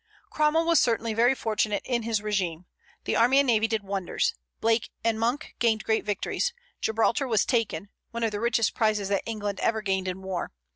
Cromwell was certainly very fortunate in his régime. The army and navy did wonders; Blake and Monk gained great victories; Gibraltar was taken, one of the richest prizes that England ever gained in war.